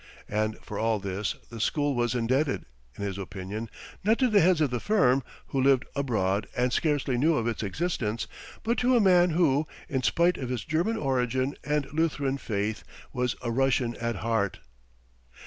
And for all this the school was indebted, in his opinion, not to the heads of the firm, who lived abroad and scarcely knew of its existence, but to a man who, in spite of his German origin and Lutheran faith, was a Russian at heart.